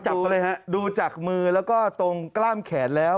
จับก็เลยครับดูจากมือแล้วก็ตรงกล้ามแขนแล้ว